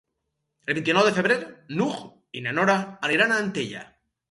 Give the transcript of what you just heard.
El vint-i-nou de febrer n'Hug i na Nora aniran a Antella.